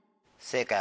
正解！